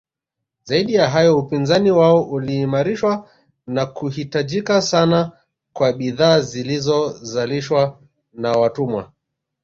Zaidi ya hayo upinzani wao uliimarishwa na kuhitajika sana kwa bidhaa zilizozalishwa na watumwa